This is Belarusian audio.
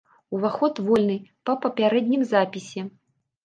Уваход вольны па папярэднім запісе.